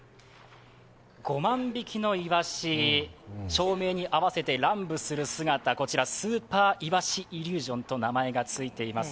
５万匹のイワシ、照明に合わせて乱舞する姿こちらスーパーイワシイリュージョンと名前がついています。